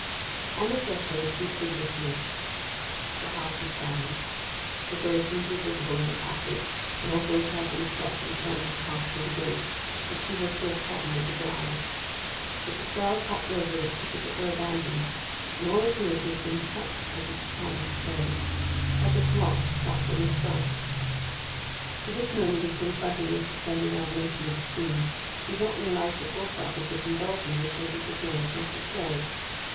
On the threshold she stood listening. The house was silent. Decorations were visible in the passage, and also the carefully swept and sanded path to the gate, which she was to have trodden as a bride; but the sparrows hopped over it as if it were abandoned; and all appeared to have been checked at its climacteric, like a clock stopped on the strike. Till this moment of confronting the suspended animation of the scene she had not realized the full shock of the convulsion which her disappearance must have caused.